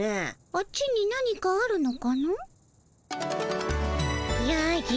あっちに何かあるのかの？